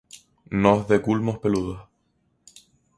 Nodos de los culmos peludos.